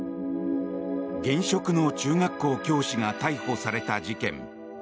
現職の中学校教師が逮捕された事件。